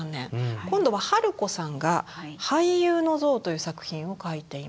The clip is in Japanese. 今度は春子さんが「俳優の像」という作品を描いています。